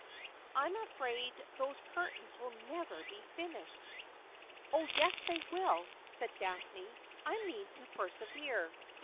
' I'm afraid those curtains will never be finished.' ' Oh yes, they will !' said Daphne, ' I mean to persevere.